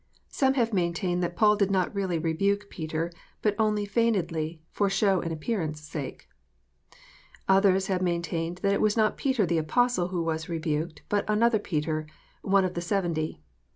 Some have maintained that Paul did not really rebuke Peter, but only feignedly, for show and appearance sake ! Others have maintained that it was not Peter the Apostle who was rebuked, but another Peter, one of the seventy